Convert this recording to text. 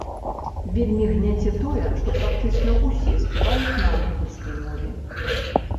Вельмі гняце тое, што практычна ўсе спяваюць на англійскай мове.